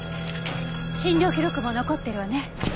診療記録も残ってるわね。